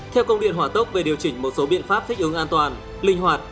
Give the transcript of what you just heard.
theo công điện hỏa tốc về điều chỉnh một số biện pháp thích ứng an toàn linh hoạt